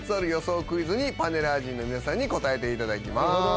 クイズにパネラー陣の皆さんに答えていただきます。